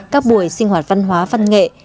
các buổi sinh hoạt văn hóa văn nghệ